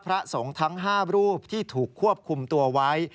พระสงฆ์ทั้ง๕รูปที่ถูกควบคุมตัวไว้